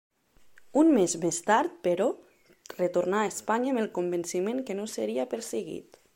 Un mes més tard, però, retornà a Espanya amb el convenciment que no seria perseguit.